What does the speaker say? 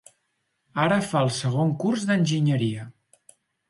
Ara fa el segon curs d'enginyeria.